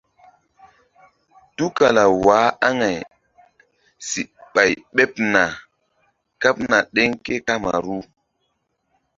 Tukala waah aŋay si ɓay ɓeɓ na kaɓna ɗeŋ ke kamaru.